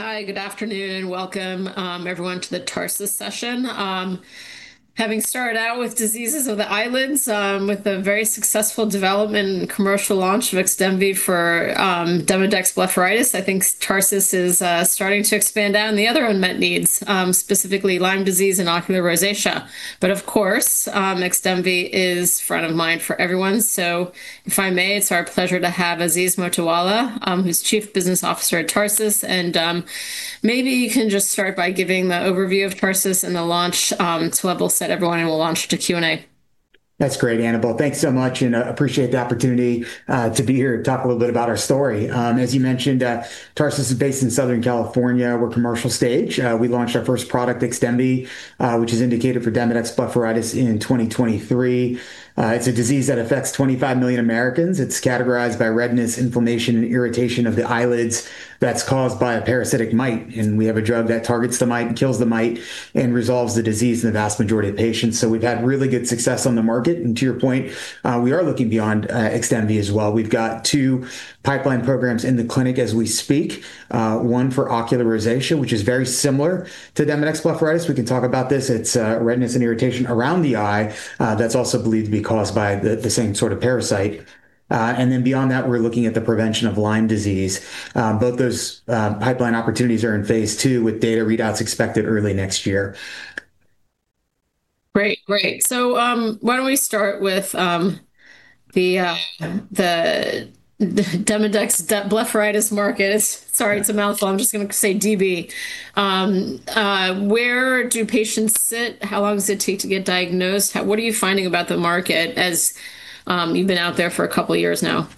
Hi. Good afternoon. Welcome, everyone, to the Tarsus session. Having started out with diseases of the eyelids, with a very successful development and commercial launch of XDEMVY for Demodex blepharitis, I think Tarsus is starting to expand down the other unmet needs, specifically Lyme disease and ocular rosacea. Of course, XDEMVY is front of mind for everyone. If I may, it's our pleasure to have Aziz Mottiwala, who's Chief Commercial Officer at Tarsus Pharmaceuticals, and maybe you can just start by giving the overview of Tarsus Pharmaceuticals and the launch. We'll set everyone and we'll launch to Q&A. That's great, Annabel. Thanks so much, and I appreciate the opportunity to be here to talk a little bit about our story. As you mentioned, Tarsus is based in Southern California. We're commercial stage. We launched our first product, XDEMVY, which is indicated for Demodex blepharitis in 2023. It's a disease that affects 25 million Americans. It's characterized by redness, inflammation, and irritation of the eyelids that's caused by a parasitic mite. We have a drug that targets the mite, kills the mite, and resolves the disease in the vast majority of patients. We've had really good success on the market. To your point, we are looking beyond XDEMVY as well. We've got two pipeline programs in the clinic as we speak. One for ocular rosacea, which is very similar to Demodex blepharitis. We can talk about this. It's redness and irritation around the eye that's also believed to be caused by the same sort of parasite. Beyond that, we're looking at the prevention of Lyme disease. Both those pipeline opportunities are in phase II with data readouts expected early next year. Great. Why don't we start with the Demodex blepharitis market. Sorry, it's a mouthful. I'm just going to say DB. Where do patients sit? How long does it take to get diagnosed? What are you finding about the market as you've been out there for a couple of years now?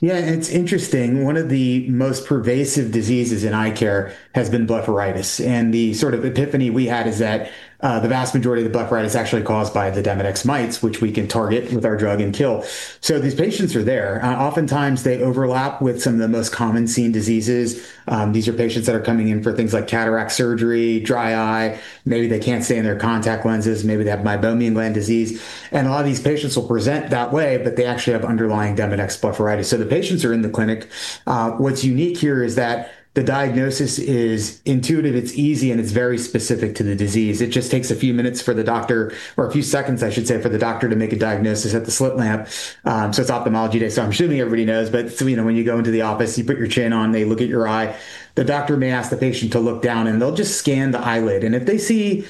Yeah, it's interesting. One of the most pervasive diseases in eye care has been blepharitis. The sort of epiphany we had is that the vast majority of the blepharitis is actually caused by the Demodex mites, which we can target with our drug and kill. These patients are there. Oftentimes, they overlap with some of the most common seen diseases. These are patients that are coming in for things like cataract surgery, dry eye, maybe they can't stay in their contact lenses, maybe they have meibomian gland disease. A lot of these patients will present that way, but they actually have underlying Demodex blepharitis. The patients are in the clinic. What's unique here is that the diagnosis is intuitive, it's easy, and it's very specific to the disease. It just takes a few minutes for the doctor, or a few seconds, I should say, for the doctor to make a diagnosis at the slit lamp. It's ophthalmology day. I'm assuming everybody knows, but it's when you go into the office, you put your chin on, they look at your eye. The doctor may ask the patient to look down, they'll just scan the eyelid. If they see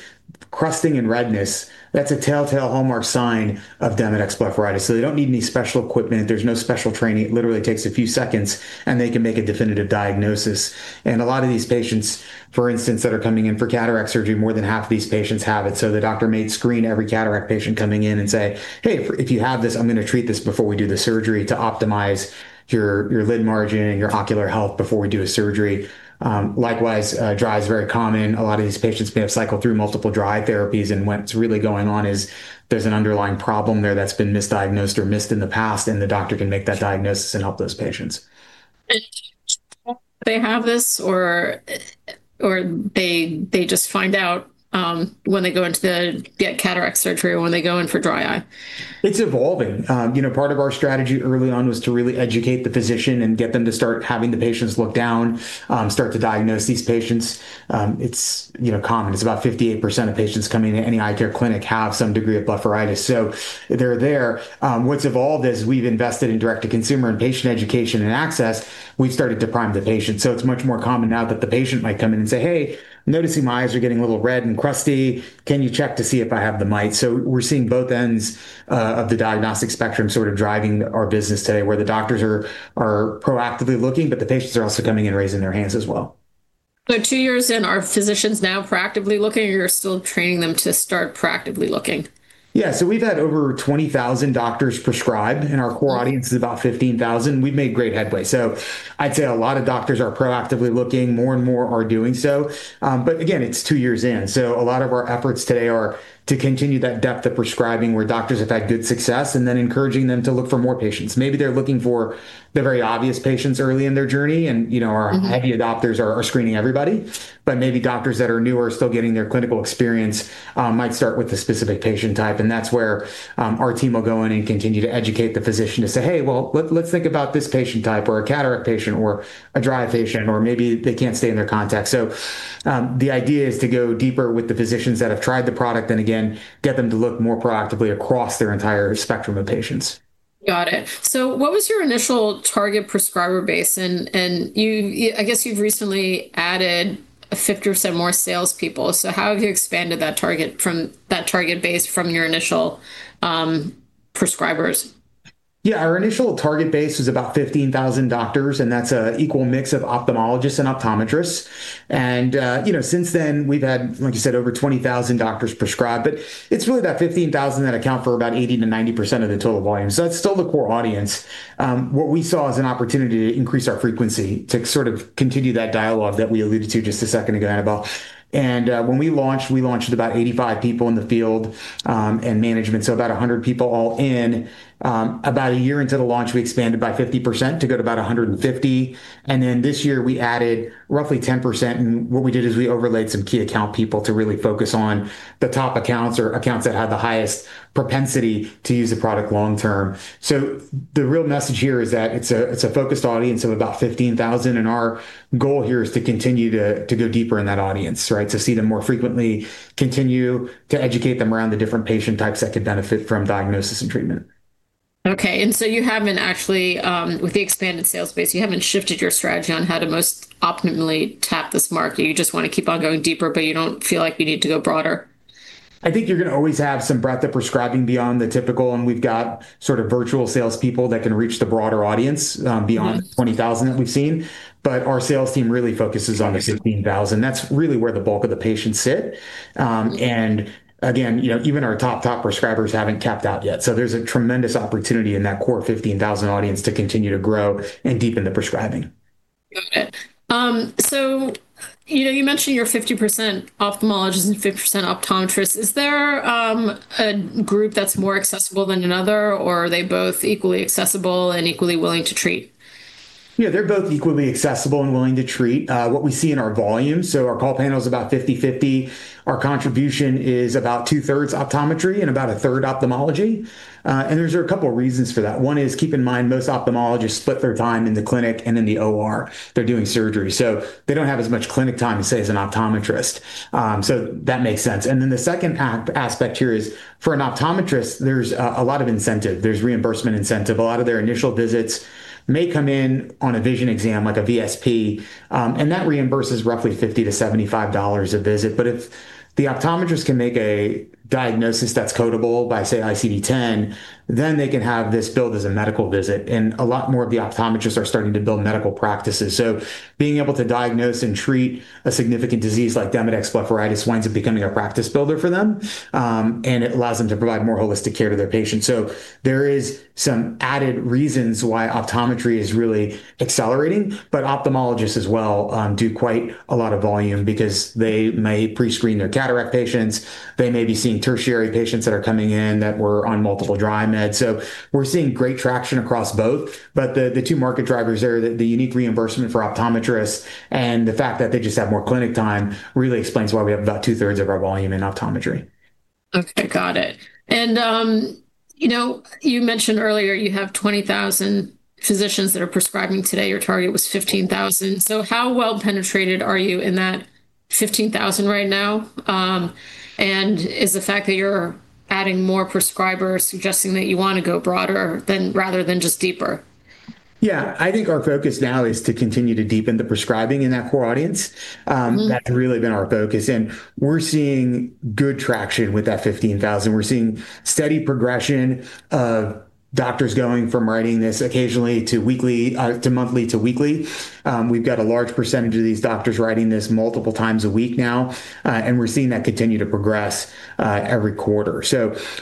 crusting and redness, that's a telltale hallmark sign of Demodex blepharitis. They don't need any special equipment. There's no special training. It literally takes a few seconds, they can make a definitive diagnosis. A lot of these patients, for instance, that are coming in for cataract surgery, more than half these patients have it. The doctor may screen every cataract patient coming in and say, "Hey, if you have this, I'm going to treat this before we do the surgery to optimize your lid margin and your ocular health before we do a surgery." Likewise, dry is very common. A lot of these patients may have cycled through multiple dry eye therapies, and what's really going on is there's an underlying problem there that's been misdiagnosed or missed in the past, and the doctor can make that diagnosis and help those patients. They have this or they just find out when they go in to get cataract surgery or when they go in for dry eye? It's evolving. Part of our strategy early on was to really educate the physician and get them to start having the patients look down, start to diagnose these patients. It's common. It's about 58% of patients coming into any eye care clinic have some degree of blepharitis. They're there. What's evolved is we've invested in direct-to-consumer and patient education and access. We've started to prime the patient. It's much more common now that the patient might come in and say, "Hey, I'm noticing my eyes are getting a little red and crusty. Can you check to see if I have the mite?" We're seeing both ends of the diagnostic spectrum sort of driving our business today, where the doctors are proactively looking, but the patients are also coming in raising their hands as well. Two years in, are physicians now proactively looking, or you're still training them to start proactively looking? Yeah. We've had over 20,000 doctors prescribe, and our core audience is about 15,000. We've made great headway. I'd say a lot of doctors are proactively looking. More and more are doing so. Again, it's two years in. A lot of our efforts today are to continue that depth of prescribing where doctors have had good success and then encouraging them to look for more patients. Maybe they're looking for the very obvious patients early in their journey, and our heavy adopters are screening everybody. Maybe doctors that are newer, still getting their clinical experience might start with a specific patient type. That's where our team will go in and continue to educate the physician to say, "Hey. Well, let's think about this patient type, or a cataract patient, or a dry eye patient, or maybe they can't stay in their contact. The idea is to go deeper with the physicians that have tried the product, and again, get them to look more proactively across their entire spectrum of patients. Got it. What was your initial target prescriber base? I guess you've recently added 50% more salespeople. How have you expanded that target base from your initial prescribers? Yeah. Our initial target base was about 15,000 doctors, and that's an equal mix of ophthalmologists and optometrists. Since then, we've had, like you said, over 20,000 doctors prescribe. It's really that 15,000 that account for about 80%-90% of the total volume. That's still the core audience. What we saw as an opportunity to increase our frequency, to sort of continue that dialogue that we alluded to just a second ago, Annabel. When we launched, we launched with about 85 people in the field, and management, so about 100 people all in. About a year into the launch, we expanded by 50% to go to about 150. This year, we added roughly 10%, and what we did is we overlaid some key account people to really focus on the top accounts or accounts that have the highest propensity to use the product long term. The real message here is that it's a focused audience of about 15,000, and our goal here is to continue to go deeper in that audience, right? To see them more frequently, continue to educate them around the different patient types that could benefit from diagnosis and treatment. Okay. You haven't actually, with the expanded sales base, you haven't shifted your strategy on how to most optimally tap this market. You just want to keep on going deeper, but you don't feel like you need to go broader? I think you're going to always have some breadth of prescribing beyond the typical, and we've got sort of virtual salespeople that can reach the broader audience beyond 20,000 that we've seen. Our sales team really focuses on the 16,000. That's really where the bulk of the patients sit. Again, even our top prescribers haven't tapped out yet. There's a tremendous opportunity in that core 15,000 audience to continue to grow and deepen the prescribing. Got it. You mentioned your 50% ophthalmologist and 50% optometrists. Is there a group that's more accessible than another, or are they both equally accessible and equally willing to treat? Yeah, they're both equally accessible and willing to treat. What we see in our volume, so our call panel is about 50/50. Our contribution is about 2/3 optometry and about 1/3 ophthalmology. There's a couple of reasons for that. One is, keep in mind, most ophthalmologists split their time in the clinic and in the OR. They're doing surgery. They don't have as much clinic time as, say, as an optometrist. That makes sense. The second aspect here is for an optometrist, there's a lot of incentive. There's reimbursement incentive. A lot of their initial visits may come in on a vision exam, like a VSP. That reimburses roughly $50-$75 a visit. If the optometrist can make a diagnosis that's codable by, say, ICD-10, they can have this billed as a medical visit. A lot more of the optometrists are starting to build medical practices. Being able to diagnose and treat a significant disease like Demodex blepharitis winds up becoming a practice builder for them, and it allows them to provide more holistic care to their patients. There is some added reasons why optometry is really accelerating. Ophthalmologists as well do quite a lot of volume because they may pre-screen their cataract patients. They may be seeing tertiary patients that are coming in that were on multiple dry meds. We're seeing great traction across both. The two market drivers there are the unique reimbursement for optometrists and the fact that they just have more clinic time really explains why we have about 2/3 of our volume in optometry. Okay, got it. You mentioned earlier you have 20,000 physicians that are prescribing today. Your target was 15,000. How well penetrated are you in that 15,000 right now? Is the fact that you're adding more prescribers suggesting that you want to go broader rather than just deeper? Yeah. I think our focus now is to continue to deepen the prescribing in that core audience. That's really been our focus, and we're seeing good traction with that 15,000. We're seeing steady progression of doctors going from writing this occasionally to monthly to weekly. We've got a large percentage of these doctors writing this multiple times a week now, and we're seeing that continue to progress every quarter.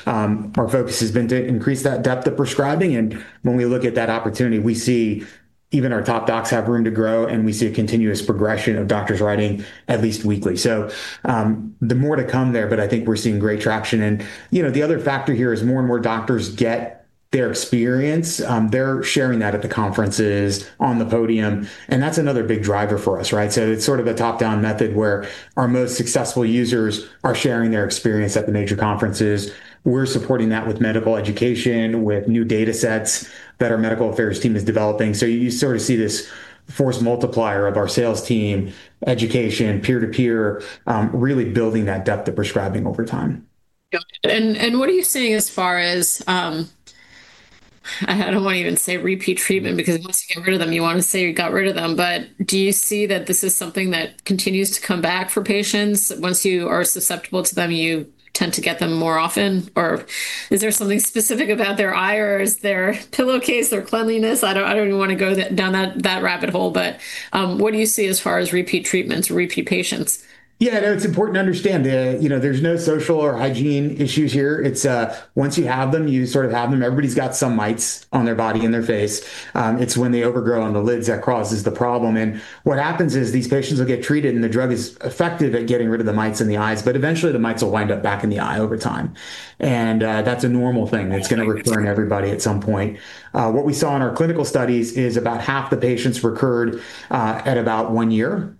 Our focus has been to increase that depth of prescribing, and when we look at that opportunity, we see even our top docs have room to grow, and we see a continuous progression of doctors writing at least weekly. More to come there, I think we're seeing great traction. The other factor here is more and more doctors get their experience. They're sharing that at the conferences on the podium. That's another big driver for us, right? It's sort of a top-down method where our most successful users are sharing their experience at the major conferences. We're supporting that with medical education, with new data sets that our medical affairs team is developing. You sort of see this force multiplier of our sales team, education, peer to peer really building that depth of prescribing over time. Got it. What do you see as far as, I don't want even say repeat treatment because once you get rid of them, you want to say you got rid of them. Do you see that this is something that continues to come back for patients? Once you are susceptible to them, you tend to get them more often? Is there something specific about their eye or is their pillowcase, their cleanliness? I don't even want to go down that rabbit hole, but what do you see as far as repeat treatments, repeat patients? Yeah. That's important to understand. There's no social or hygiene issues here. It's once you have them, you sort of have them. Everybody's got some mites on their body and their face. It's when they overgrow on the lids, that causes the problem. What happens is these patients will get treated, and the drug is effective at getting rid of the mites in the eyes, but eventually the mites will wind up back in the eye over time. That's a normal thing that's going to recur in everybody at some point. What we saw in our clinical studies is about half the patients recurred at about one year.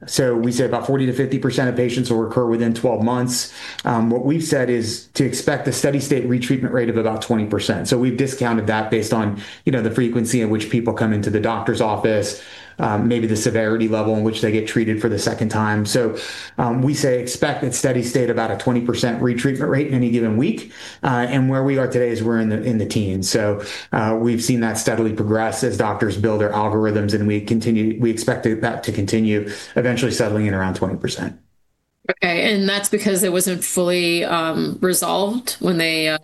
We say about 40%-50% of patients will recur within 12 months. What we've said is to expect a steady state retreatment rate of about 20%. We've discounted that based on the frequency in which people come into the doctor's office, maybe the severity level in which they get treated for the second time. We say expect at steady state about a 20% retreatment rate in any given week. Where we are today is we're in the teens. We've seen that steadily progress as doctors build their algorithms, and we expect that to continue eventually settling at around 20%. Okay, that's because it wasn't fully resolved when they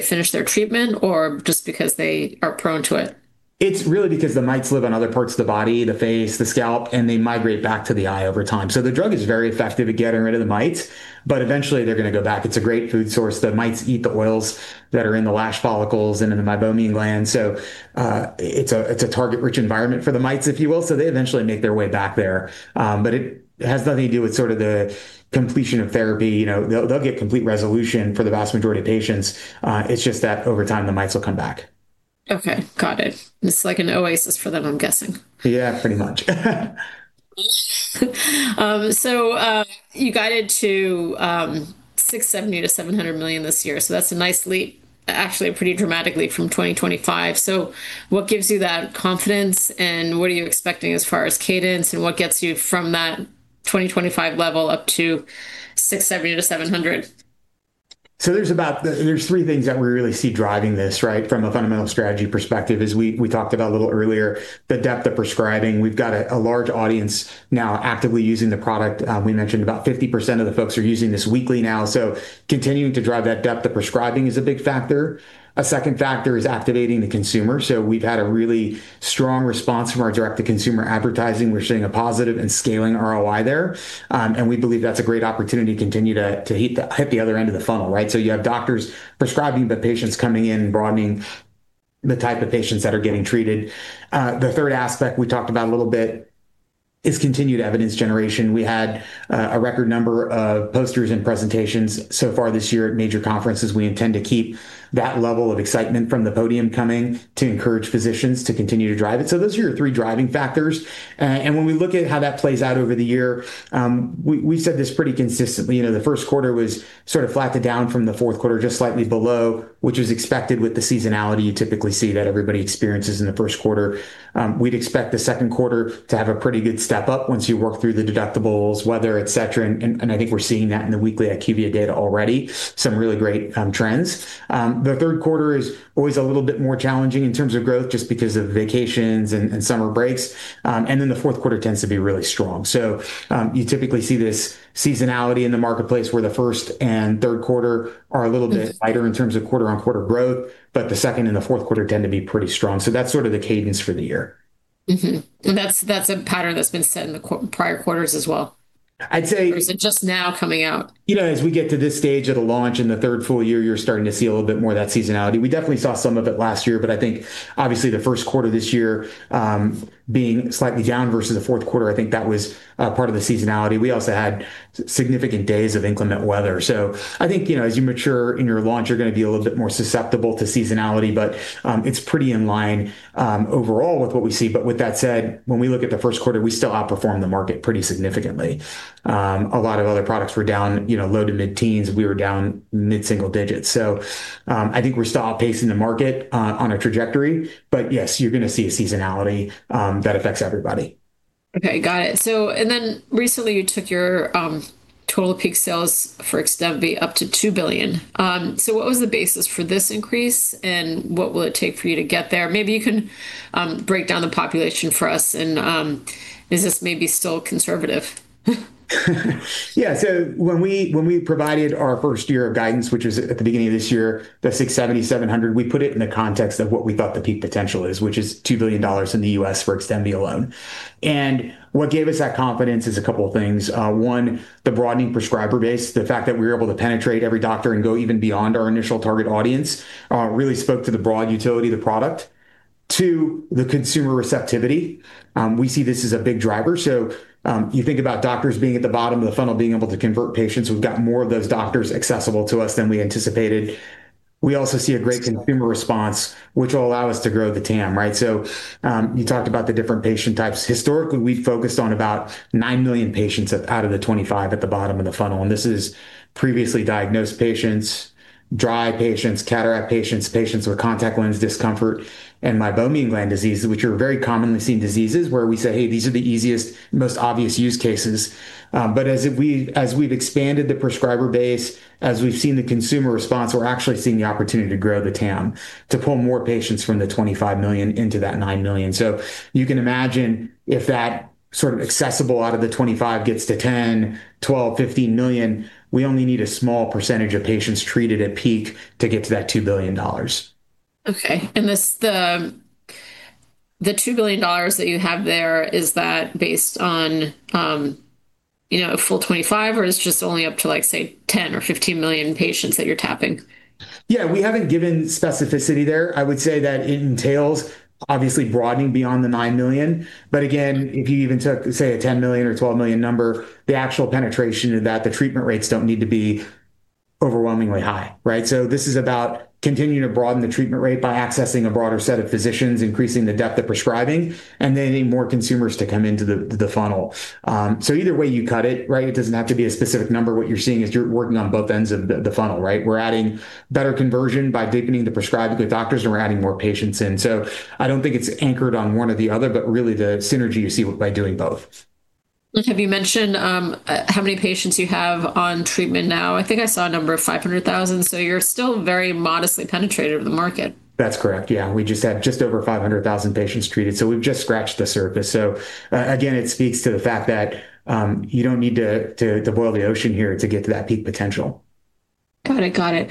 finished their treatment or just because they are prone to it? It's really because the mites live on other parts of the body, the face, the scalp, and they migrate back to the eye over time. The drug is very effective at getting rid of the mites, but eventually they're going to go back. It's a great food source. The mites eat the oils that are in the lash follicles and in the meibomian gland. It's a target-rich environment for the mites, if you will. They eventually make their way back there. It has nothing to do with sort of the completion of therapy. They'll get complete resolution for the vast majority of patients. It's just that over time, the mites will come back. Okay, got it. It's like an oasis for them, I'm guessing. Yeah, pretty much. You guided to $670 million-$700 million this year. That's a nice leap, actually a pretty dramatic leap from 2025. What gives you that confidence and what are you expecting as far as cadence, and what gets you from that 2025 level up to $670 million-$700 million? There's three things that we really see driving this from a fundamental strategy perspective is we talked about a little earlier, the depth of prescribing. We've got a large audience now actively using the product. We mentioned about 50% of the folks are using this weekly now. Continuing to drive that depth of prescribing is a big factor. A second factor is activating the consumer. We've had a really strong response from our direct-to-consumer advertising. We're seeing a positive and scaling ROI there. We believe that's a great opportunity to continue to hit the other end of the funnel, right? You have doctors prescribing, but patients coming in, broadening the type of patients that are getting treated. The third aspect we talked about a little bit is continued evidence generation. We had a record number of posters and presentations so far this year at major conferences. We intend to keep that level of excitement from the podium coming to encourage physicians to continue to drive it. Those are your three driving factors. When we look at how that plays out over the year, we said this pretty consistently. The first quarter was sort of flattened down from the fourth quarter, just slightly below, which is expected with the seasonality you typically see that everybody experiences in the first quarter. We'd expect the second quarter to have a pretty good step up once you work through the deductibles, weather, et cetera. I think we're seeing that in the weekly IQVIA data already. Some really great trends. The third quarter is always a little bit more challenging in terms of growth just because of vacations and summer breaks. The fourth quarter tends to be really strong. You typically see this seasonality in the marketplace where the first and third quarter are a little bit lighter in terms of quarter-on-quarter growth, but the second and the fourth quarter tend to be pretty strong. That's sort of the cadence for the year. Mm-hmm. That's a pattern that's been set in the prior quarters as well. I'd say- Is it just now coming out? As we get to this stage of the launch in the third full year, you're starting to see a little bit more of that seasonality. We definitely saw some of it last year, but I think obviously the first quarter of this year, being slightly down versus the fourth quarter, I think that was part of the seasonality. We also had significant days of inclement weather. I think, as you mature in your launch, you're going to be a little bit more susceptible to seasonality, but it's pretty in line, overall with what we see. With that said, when we look at the first quarter, we still outperformed the market pretty significantly. A lot of other products were down low to mid-teens. We were down mid-single digits. I think we're still outpacing the market on a trajectory. Yes, you're going to see a seasonality that affects everybody. Okay, got it. Recently you took your total peak sales for XDEMVY up to $2 billion. What was the basis for this increase, and what will it take for you to get there? Maybe you can break down the population for us, and is this maybe still conservative? Yeah. When we provided our first year of guidance, which is at the beginning of this year, the $670 million-$700 million, we put it in the context of what we thought the peak potential is, which is $2 billion in the U.S. for XDEMVY alone. What gave us that confidence is a couple of things. One, the broadening prescriber base. The fact that we were able to penetrate every doctor and go even beyond our initial target audience, really spoke to the broad utility of the product. Two, the consumer receptivity. We see this as a big driver. You think about doctors being at the bottom of the funnel, being able to convert patients. We've got more of those doctors accessible to us than we anticipated. We also see a great consumer response, which will allow us to grow the TAM, right? You talked about the different patient types. Historically, we focused on about 9 million patients out of the 25 at the bottom of the funnel. This is previously diagnosed patients, dry eye patients, cataract patients with contact lens discomfort, and meibomian gland disease, which are very commonly seen diseases where we say, "Hey, these are the easiest, most obvious use cases." As we've expanded the prescriber base, as we've seen the consumer response, we're actually seeing the opportunity to grow the TAM, to pull more patients from the 25 million into that 9 million. You can imagine if that sort of accessible out of the 25 gets to 10, 12, 15 million, we only need a small percentage of patients treated at peak to get to that $2 billion. Okay. The $2 billion that you have there is that based on a full 2025 or it's just only up to, say, 10 or 15 million patients that you're tapping? Yeah, we haven't given specificity there. I would say that it entails obviously broadening beyond the $9 million. Again, if you even took, say, a $10 million or $12 million number, the actual penetration of that, the treatment rates don't need to be overwhelmingly high, right? This is about continuing to broaden the treatment rate by accessing a broader set of physicians, increasing the depth of prescribing, and then getting more consumers to come into the funnel. Either way you cut it, right? It doesn't have to be a specific number. What you're seeing is you're working on both ends of the funnel, right? We're adding better conversion by deepening the prescribing with the doctors, and we're adding more patients in. I don't think it's anchored on one or the other, but really the synergy you see by doing both. Have you mentioned how many patients you have on treatment now? I think I saw a number of 500,000, so you're still very modestly penetrated in the market. That's correct. Yeah. We just have just over 500,000 patients treated. We've just scratched the surface. Again, it speaks to the fact that you don't need to boil the ocean here to get to that peak potential. Got it.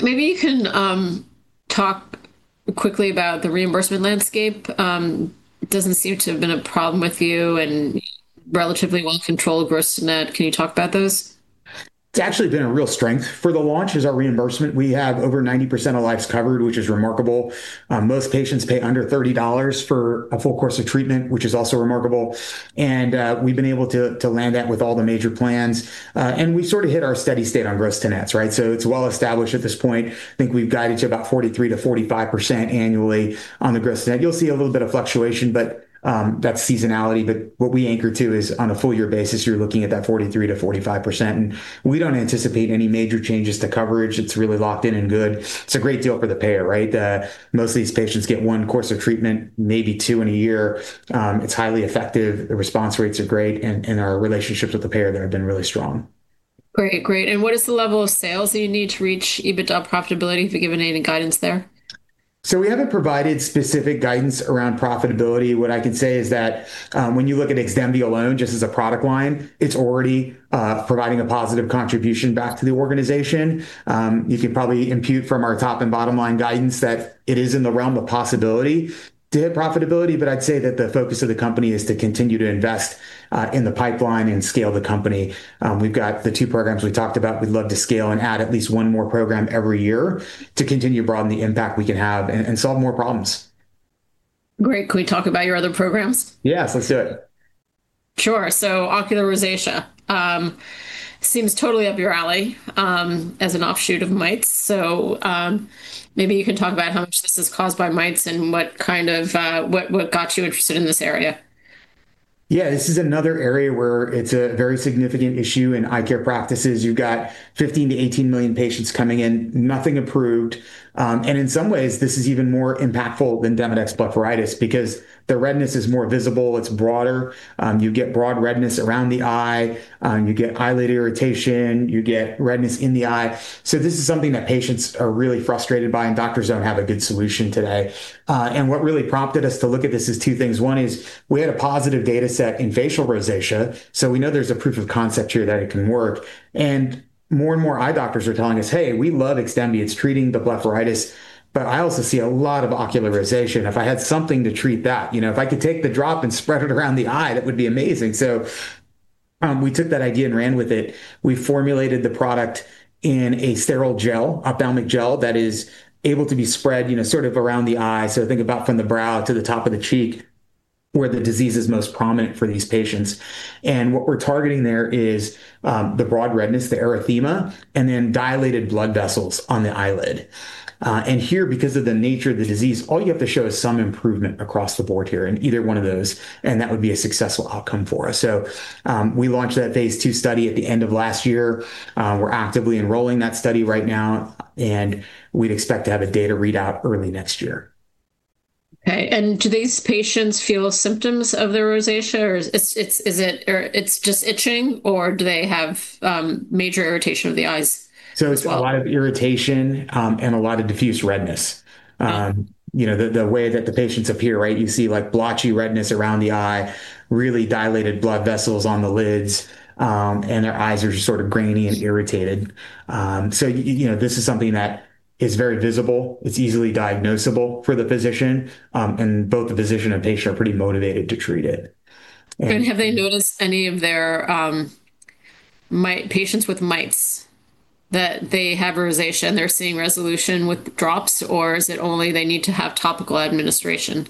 Maybe you can talk quickly about the reimbursement landscape. It doesn't seem to have been a problem with you and relatively well-controlled gross net. Can you talk about those? It's actually been a real strength. For the launch, is our reimbursement. We have over 90% of lives covered, which is remarkable. Most patients pay under $30 for a full course of treatment, which is also remarkable. We've been able to land that with all the major plans. We sort of hit our steady state on gross-to-nets, right? It's well established at this point. I think we've guided to about 43%-45% annually on the gross. Now you'll see a little bit of fluctuation, but that's seasonality. But what we anchor to is on a full year basis, you're looking at that 43%-45%. We don't anticipate any major changes to coverage. It's really locked in and good. It's a great deal for the payer, right? Most of these patients get one course of treatment, maybe two in a year. It's highly effective. The response rates are great, and our relationships with the payer have been really strong. Great. What is the level of sales that you need to reach EBITDA profitability? Do you have any guidance there? We haven't provided specific guidance around profitability. What I can say is that when you look at XDEMVY alone, just as a product line, it's already providing a positive contribution back to the organization. You can probably impute from our top and bottom-line guidance that it is in the realm of possibility to hit profitability. I'd say that the focus of the company is to continue to invest in the pipeline and scale the company. We've got the two programs we talked about. We'd love to scale and add at least one more program every year to continue to broaden the impact we can have and solve more problems. Great. Can we talk about your other programs? Yeah. Let's do it. Sure. Ocular rosacea seems totally up your alley as an offshoot of mites. Maybe you can talk about how much this is caused by mites and what got you interested in this area. Yeah. This is another area where it's a very significant issue in eye care practices. You've got 15 million-18 million patients coming in, nothing approved. In some ways, this is even more impactful than Demodex blepharitis because the redness is more visible, it's broader. You get broad redness around the eye. You get eyelid irritation, you get redness in the eye. This is something that patients are really frustrated by, and doctors don't have a good solution today. What really prompted us to look at this is two things. One is we had a positive data set in facial rosacea, so we know there's a proof of concept here that it can work. More and more eye doctors are telling us, "Hey, we love XDEMVY. It's treating the blepharitis. But I also see a lot of ocular rosacea. If I had something to treat that, if I could take the drop and spread it around the eye, that would be amazing. We took that idea and ran with it. We formulated the product in a sterile gel, ophthalmic gel that is able to be spread around the eye. Think about from the brow to the top of the cheek where the disease is most prominent for these patients. What we're targeting there is the broad redness, the erythema, and then dilated blood vessels on the eyelid. Here, because of the nature of the disease, all you have to show is some improvement across the board here in either one of those, and that would be a successful outcome for us. We launched that phase II study at the end of last year. We're actively enrolling that study right now, and we expect to have a data readout early next year. Okay. Do these patients feel symptoms of the rosacea, or it's just itching, or do they have major irritation of the eyes as well? It's a lot of irritation and a lot of diffuse redness. Okay. The way that the patients appear, you see like blotchy redness around the eye, really dilated blood vessels on the lids, and their eyes are just sort of grainy and irritated. This is something that is very visible. It's easily diagnosable for the physician. Both the physician and patient are pretty motivated to treat it. Have they noticed any of their patients with mites that they have rosacea, and they're seeing resolution with drops, or is it only they need to have topical administration?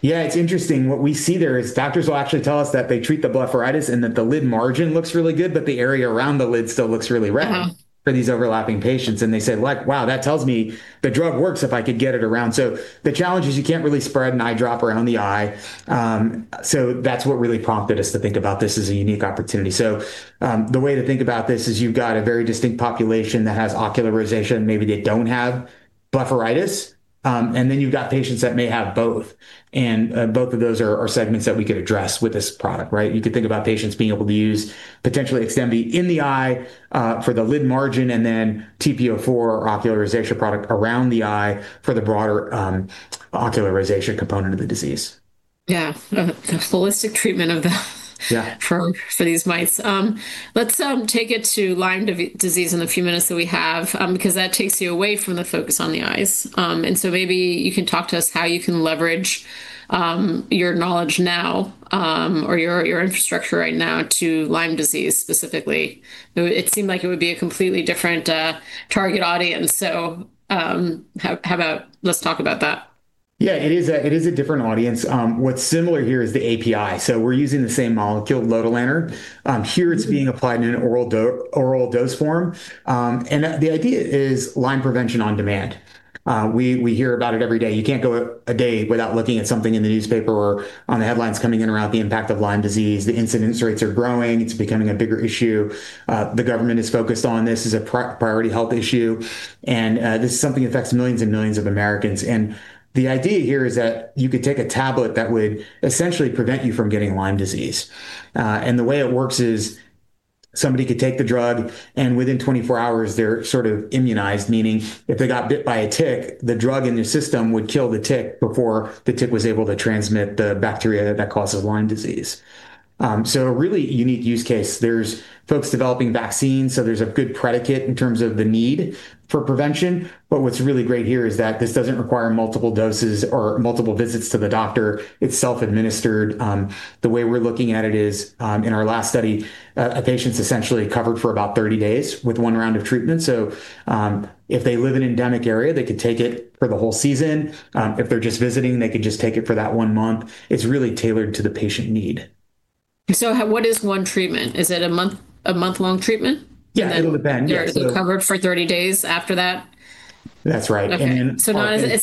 Yeah, it's interesting. What we see there is doctors will actually tell us that they treat the blepharitis and that the lid margin looks really good, but the area around the lid still looks really red for these overlapping patients. They say like, "Wow, that tells me the drug works if I could get it around." The challenge is you can't really spread an eye drop around the eye. That's what really prompted us to think about this as a unique opportunity. The way to think about this is you've got a very distinct population that has ocular rosacea, maybe they don't have blepharitis. Then you've got patients that may have both, and both of those are segments that we could address with this product. Right? You could think about patients being able to use potentially XDEMVY in the eye for the lid margin and then TP-04 or ocular rosacea product around the eye for the broader ocular rosacea component of the disease. Yeah. The holistic treatment of that for these mites. Yeah. Let's take it to Lyme disease in the few minutes that we have, because that takes you away from the focus on the eyes. Maybe you can talk to us how you can leverage your knowledge now, or your infrastructure right now to Lyme disease specifically. It seemed like it would be a completely different target audience. Let's talk about that. Yeah, it is a different audience. What's similar here is the API. We're using the same molecule, lotilaner. Here it's being applied in an oral dose form. The idea is Lyme prevention on demand. We hear about it every day. You can't go a day without looking at something in the newspaper or on the headlines coming in around the impact of Lyme disease. The incidence rates are growing. It's becoming a bigger issue. The government is focused on this as a priority health issue. This is something that affects millions and millions of Americans. The idea here is that you could take a tablet that would essentially prevent you from getting Lyme disease. The way it works is somebody could take the drug, and within 24 hours, they're sort of immunized. Meaning, if they got bit by a tick, the drug in their system would kill the tick before the tick was able to transmit the bacteria that causes Lyme disease. A really unique use case. There's folks developing vaccines, so there's a good predicate in terms of the need for prevention. What's really great here is that this doesn't require multiple doses or multiple visits to the doctor. It's self-administered. The way we're looking at it is, in our last study, a patient's essentially covered for about 30 days with one round of treatment. If they live in an endemic area, they could take it for the whole season. If they're just visiting, they could just take it for that one month. It's really tailored to the patient need. What is one treatment? Is it a month-long treatment? Yeah. It would depend. Yeah. They're covered for 30 days after that? That's right. Okay. It's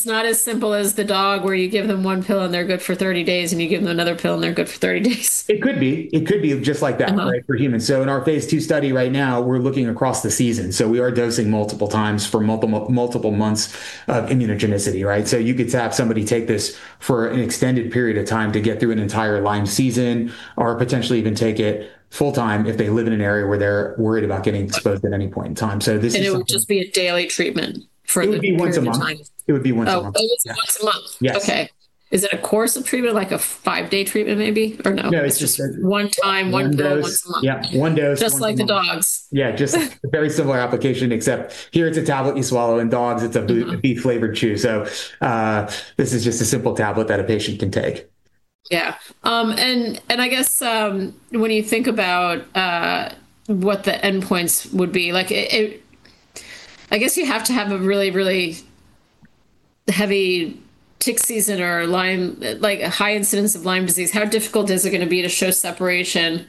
not as simple as the dog where you give them one pill, and they're good for 30 days, and you give them another pill, and they're good for 30 days. It could be. It could be just like that for humans. In our phase II study right now, we're looking across the season. We are dosing multiple times for multiple months of immunogenicity. Right? You could have somebody take this for an extended period of time to get through an entire Lyme season or potentially even take it full-time if they live in an area where they're worried about getting exposed at any point in time. It would just be a daily treatment for the duration of time. It would be once a month. Oh, once a month. Yes. Okay. Is it a course of treatment, like a five-day treatment maybe, or no? No, it's just. One time, one dose. One dose. Yeah, one dose. Just like the dogs. Yeah, just very similar application, except here it's a tablet you swallow, in dogs, it's a beef-flavored chew. This is just a simple tablet that a patient can take. Yeah. I guess, when you think about what the endpoints would be, I guess you have to have a really, really heavy tick season or a high incidence of Lyme disease. How difficult is it going to be to show separation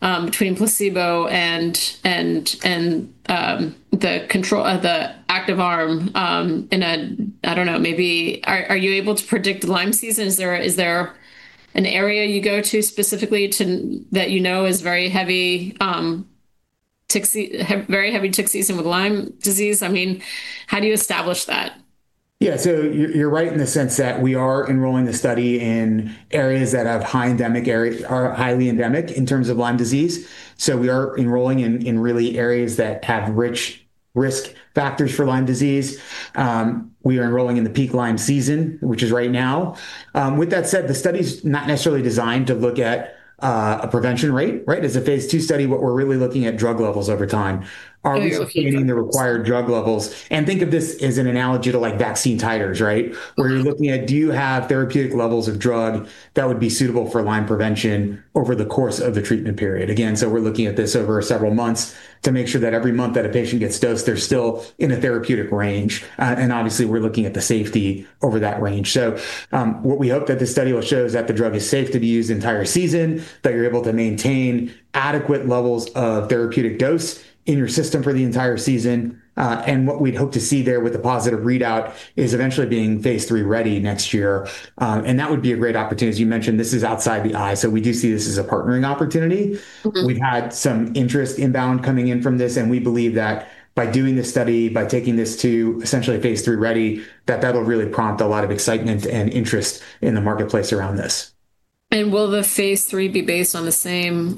between placebo and the active arm in a, I don't know, maybe. Are you able to predict Lyme season? Is there an area you go to specifically that you know has a very heavy tick season with Lyme disease? I mean, how do you establish that? You're right in the sense that we are enrolling the study in areas that are highly endemic in terms of Lyme disease. We are enrolling in, really, areas that have rich risk factors for Lyme disease. We are enrolling in the peak Lyme season, which is right now. The study's not necessarily designed to look at a prevention rate. It's a phase II study, but we're really looking at drug levels over time. Okay. Are we sustaining the required drug levels? Think of this as an analogy to vaccine titers, where you're looking at, do you have therapeutic levels of drug that would be suitable for Lyme disease prevention over the course of the treatment period? We're looking at this over several months to make sure that every month that a patient gets dosed, they're still in a therapeutic range. Obviously, we're looking at the safety over that range. What we hope that this study will show is that the drug is safe to be used the entire season, that you're able to maintain adequate levels of therapeutic dose in your system for the entire season. What we'd hope to see there with a positive readout is eventually being phase III-ready next year. That would be a great opportunity. As you mentioned, this is outside the eye, so we do see this as a partnering opportunity. Okay. We've had some interest inbound coming in from this, and we believe that by doing this study, by taking this to essentially phase III-ready, that that'll really prompt a lot of excitement and interest in the marketplace around this. Will the phase III be based on the same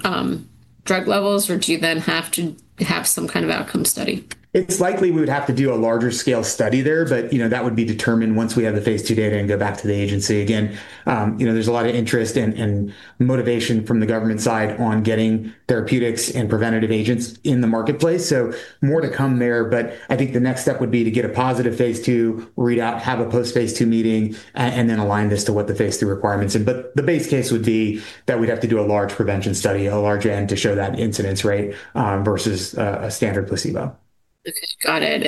drug levels, or do you then have to have some kind of outcome study? It's likely we'd have to do a larger scale study there. That would be determined once we have the phase II data and go back to the agency. Again, there's a lot of interest and motivation from the government side on getting therapeutics and preventative agents in the marketplace, so more to come there. I think the next step would be to get a positive phase II readout, have a post phase II meeting, and then align as to what the phase III requirements are. The base case would be that we'd have to do a large prevention study on a large end to show that incidence rate versus a standard placebo. Got it.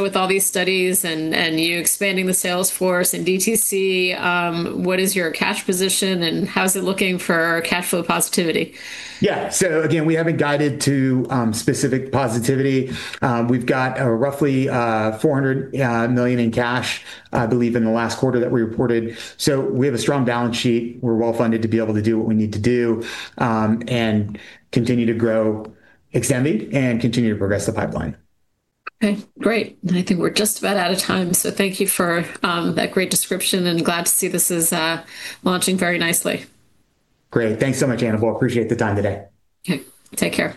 With all these studies and you expanding the sales force and DTC, what is your cash position, and how's it looking for cash flow positivity? Yeah. Again, we haven't guided to specific positivity. We've got roughly $400 million in cash, I believe, in the last quarter that we reported. We have a strong balance sheet. We're well-funded to be able to do what we need to do, and continue to grow XDEMVY and continue to progress the pipeline. Okay, great. I think we're just about out of time, so thank you for that great description, and glad to see this is launching very nicely. Great. Thanks so much, Annabel, I appreciate the time today. Okay. Take care.